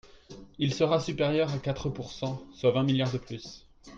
Il sera supérieur à quatre pourcent, soit vingt milliards de plus.